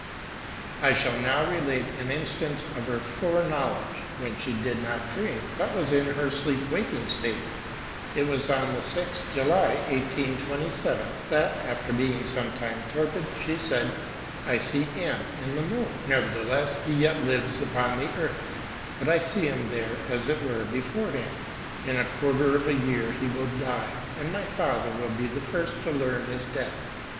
I shall now relate an instance of her fore knowledge, when she did not dream^ but was in her sleep waking state : It was on the 6th July 1827, that, after being some time torpid, she said ŌĆö ^' I see N in the moon, nevertheless he yet lives upon the earth ; but I see him there as it were before hand. In a quarter of a year he will die, and my father will be the first to learn his death."